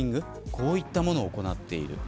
こういったことを行っています。